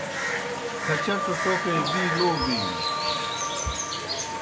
کھچٹوْ ٹوکے بی لو بِینوْ